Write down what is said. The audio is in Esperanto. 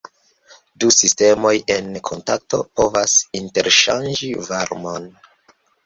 Du sistemoj en kontakto povas interŝanĝi varmon.